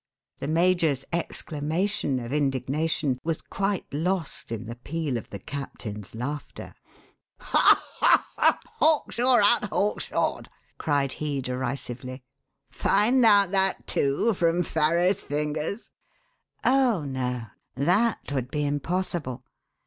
The major's exclamation of indignation was quite lost in the peal of the captain's laughter. "Hawkshaw out Hawkshawed!" cried he derisively. "Find out that, too, from Farrow's fingers?" "Oh, no that would be impossible.